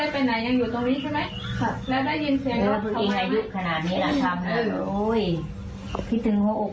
พ่อแม่รู้ไหมไม่รู้เลย๑๓๑๔ขั้น